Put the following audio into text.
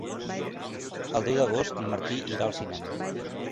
El deu d'agost en Martí irà al cinema.